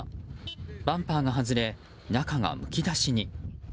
バンパーが外れ、中がむき出しに。